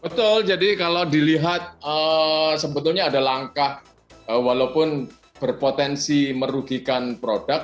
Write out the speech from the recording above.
betul jadi kalau dilihat sebetulnya ada langkah walaupun berpotensi merugikan produk